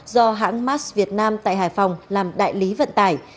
do hãng mass việt nam tại hải phòng làm đại lý vận tải